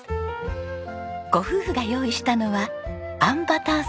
ご夫婦が用意したのはあんバターサンドです。